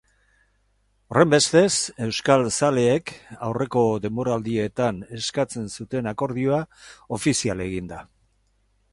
Horrenbestez, euskal zaleek aurreko denboraldietan eskatzen zuten akordioa ofizial egin da.